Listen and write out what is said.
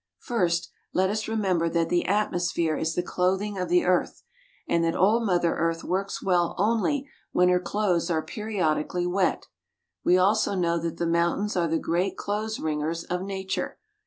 First, let us remember that the atmosphere is the clothing of the earth, and that old Mother Earth works well only when her clothes are periodically wet. We also know that the mountains are the great clothes wringers of nature.